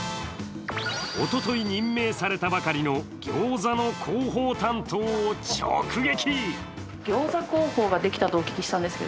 おととい任命されたばかりの餃子の広報担当を直撃。